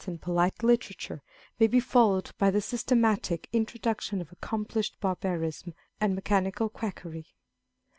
and polite literature may be followed by the systematic introduction of accomplished barbarism and mechanical quackery.